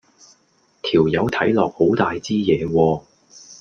條友睇落好大枝野喎